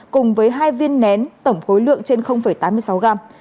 cùng với hai viên nén tổng khối lượng trên tám mươi sáu gram